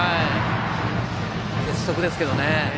鉄則ですけどね。